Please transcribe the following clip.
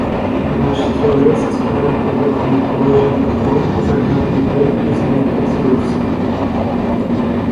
Наш стрілець скоренько викинув порожній патрон, загнав новий і знов прицілився.